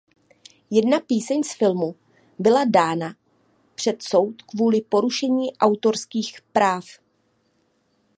Jedna píseň z filmu byla dána před soud kvůli porušení autorských práv.